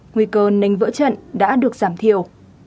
nguồn nánh vỡ trận đã được giảm thiểu